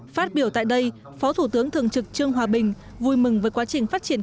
phát biểu tại đây phó thủ tướng thường trực trương hòa bình vui mừng với quá trình phát triển